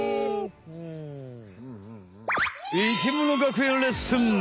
生きもの学園レッスン。